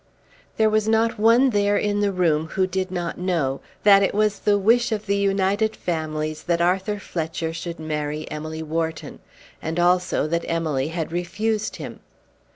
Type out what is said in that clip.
There was not one there in the room who did not know that it was the wish of the united families that Arthur Fletcher should marry Emily Wharton, and also that Emily had refused him.